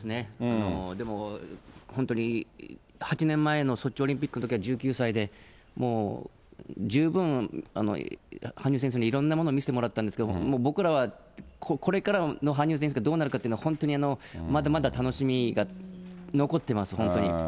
でも、本当に８年前のソチオリンピックのときは１９歳で、もう十分、羽生選手にいろんなものを見せてもらったんですけれども、僕らは、これからの羽生選手がどうなるかというのは、本当にまだまだ楽しみが残ってます、本当に。